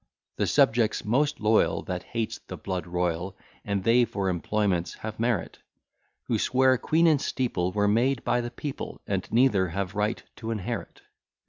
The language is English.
The subject's most loyal That hates the blood royal, And they for employments have merit, Who swear queen and steeple Were made by the people, And neither have right to inherit.